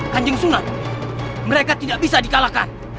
kanjeng sunat mereka tidak bisa di kalahkan